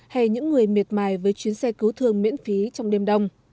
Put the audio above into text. hay những người miệt mài với chuyến xe cứu thương miễn phí trong đêm đông